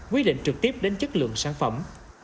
quyết định trực tiếp đến chất lượng sản phẩm